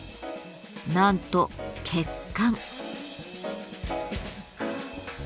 なんと血管。